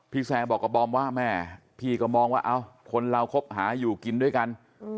แซงบอกกับบอมว่าแม่พี่ก็มองว่าคนเราคบหาอยู่กินด้วยกัน